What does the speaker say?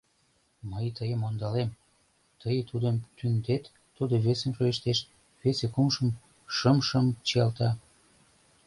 Мый тыйым ондалем, тый тудым тӱҥдет, тудо весым шойыштеш, весе кумшым-шымшым чиялта...